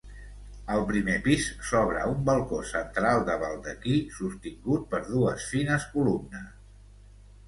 Al primer pis s'obre un balcó central de baldaquí sostingut per dues fines columnes.